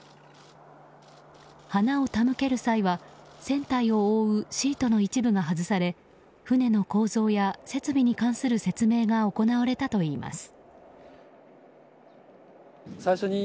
花を手向ける際は船体を覆うシートの一部が外され船の構造や設備に関する説明が行われたといいます。